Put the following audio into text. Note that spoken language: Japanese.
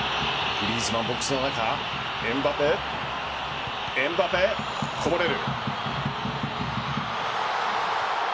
グリーズマン、ボックスの中エムバペエムバペ、こぼれる。